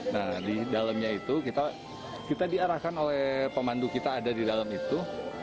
nah di dalamnya itu kita diarahkan oleh pemandu kita ada di dalam itu